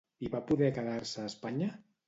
I va poder quedar-se a Espanya?